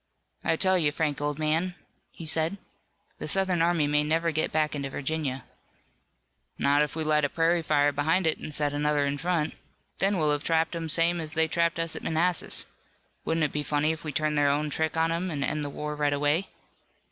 "I tell you, Frank, old man," he said, "the Southern army may never get back into Virginia." "Not if we light a prairie fire behind it and set another in front. Then we'll have 'em trapped same as they trapped us at Manassas. Wouldn't it be funny if we'd turn their own trick on 'em, and end the war right away?"